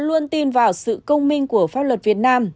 luôn tin vào sự công minh của pháp luật việt nam